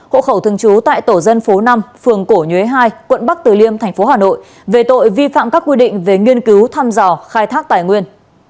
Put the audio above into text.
hộ khẩu thường trú tại tổ dân phố năm phường cổ nhuế hai quận bắc từ liêm tp hà nội về tội vi phạm các quy định về nghiên cứu thăm dò khai thác tài nguyên